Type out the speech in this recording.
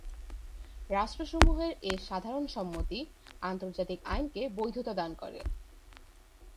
রাষ্ট্রসমূহের এ সাধারণ সম্মতি আন্তর্জাতিক আইনকে বৈধতা দান করে।